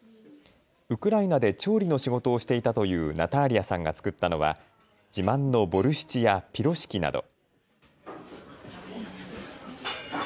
ウクライナで調理の仕事をしていたというナターリヤさんが作ったのは自慢のボルシチやピロシキなど。